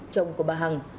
chồng của bà hằng